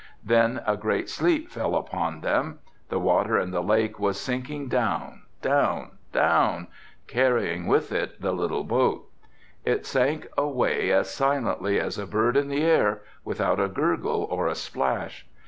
Then a great sleep fell upon them. The water in the lake was sinking down, down, down, carrying with it the little boat. It sank away as silently as a bird in the air, without a gurgle or a splash.